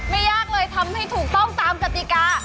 ยากเลยทำให้ถูกต้องตามกติกา